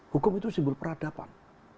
hukum itu simbol peradaban